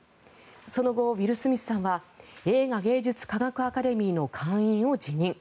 その後、ウィル・スミスさんは映画芸術科学アカデミーの会員を辞任。